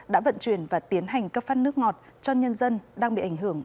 đã vận chuyển và tiến hành cấp phát nước ngọt cho nhân dân đang bị ảnh hưởng